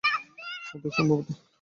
অর্ধেক, সম্ভবত।